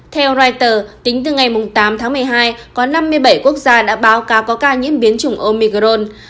theo reuters tính từ ngày tám tháng một mươi hai có năm mươi bảy quốc gia đã báo cáo có ca nhiễm biến chủng omicron